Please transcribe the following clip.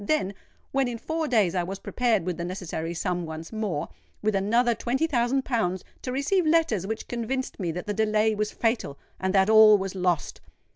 Then, when in four days I was prepared with the necessary sum once more—with another twenty thousand pounds—to receive letters which convinced me that the delay was fatal, and that all was lost!